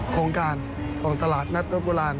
โครงการของตลาดนัดรถโบราณ